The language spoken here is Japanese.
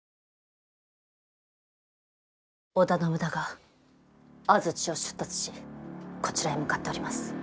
織田信長安土を出立しこちらへ向かっております。